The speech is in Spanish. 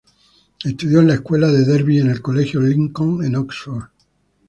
Estudió en la escuela de Derby y en el Colegio Lincoln, en Oxford.